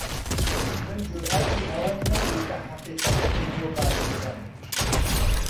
من جورئەتی ئەوەم نەبوو کە حەقیقەتەکەی بۆ باس بکەم.